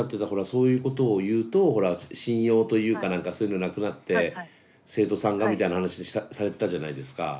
「そういうことを言うとほら信用というか何かそういうのなくなって生徒さんが」みたいな話されてたじゃないですか？